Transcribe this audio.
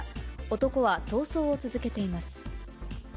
男は逃走を続けています。